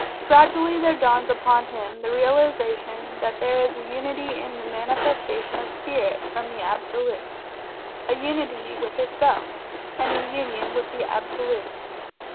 Gradually there dawns upon him the realization that there is a Unity in the manifestation of Spirit from the Absolute a unity with itself, and a Union with the Absolute.